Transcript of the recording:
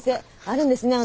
あるんですね。